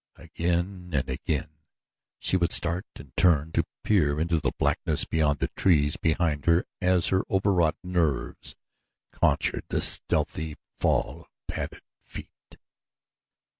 Again and again she would start and turn to peer into the blackness beyond the trees behind her as her overwrought nerves conjured the stealthy fall of padded feet.